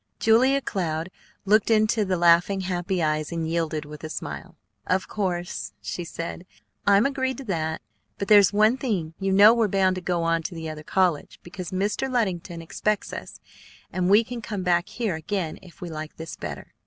Julia Cloud looked into the laughing, happy eyes, and yielded with a smile. "Of course," she said, "that's reasonable. I'm agreed to that. But there's one thing: you know we're bound to go on to the other college, because Mr. Luddington expects us; and we can come back here again if we like this better."